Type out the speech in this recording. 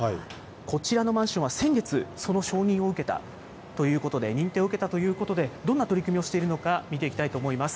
こちらのマンションは先月、その承認を受けたということで、認定を受けたということで、どんな取り組みをしているのか、見ていきたいと思います。